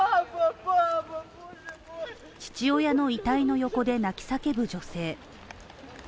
父親の遺体の横で泣き叫ぶ女性。